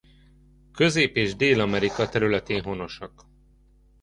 Közép- és Dél-Amerika területén honosak.